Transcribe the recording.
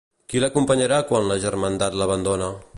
Qui l'acompanyarà quan la Germandat l'abandona?